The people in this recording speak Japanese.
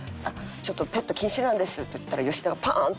「ちょっとペット禁止なんです」って言ったら吉田がパーン！